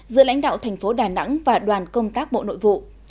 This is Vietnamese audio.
giữa lãnh đạo thành phố đà nẵng và đoàn công tác bộ nội vụ